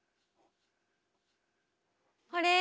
あれ？